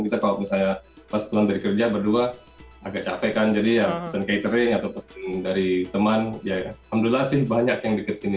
kita kalau misalnya pas pulang dari kerja berdua agak capek kan jadi ya pesan catering atau pesan dari teman ya alhamdulillah sih banyak yang deket sini